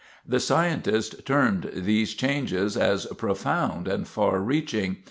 The scientists termed these changes as "profound and far reaching."